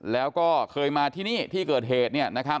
แล้วก็เคยมาที่นี่ที่เกิดเหตุ